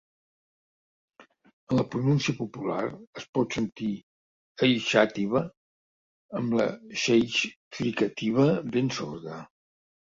En la pronúncia popular es pot sentir ‘Eixàtiva’, amb la xeix fricativa ben sorda.